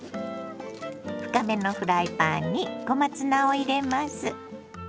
深めのフライパンに小松菜を入れます。